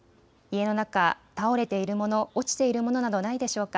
家の中、倒れているもの、落ちているものなどないでしょうか。